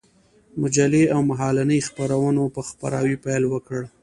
مجلې او مهالنۍ خپرونو په خپراوي پيل وكړ.